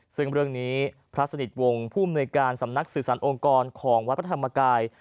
ซึ่งเรื่องนี้พระสนิทวงศ์ผู้อำนวยการสำนักสื่อสารองค์กรของวัดพระธรรมกาย